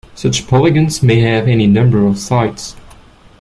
Such polygons may have any number of sides.